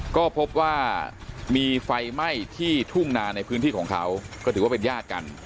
ก็พบว่ามีไฟไหม้ที่ทุ่งนาในพื้นที่ของเขาก็ถือว่าเป็นญาติกัน